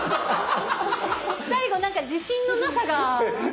最後何か自信のなさが。